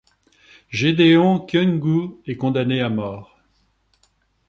Gédéon Kyungu est condamné à mort.